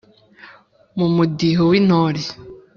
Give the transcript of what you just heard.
mu mudiho w’intore